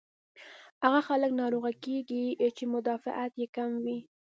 هاغه خلک ناروغه کيږي چې مدافعت ئې کم وي